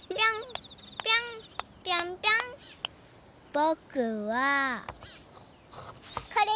ぼくはこれ！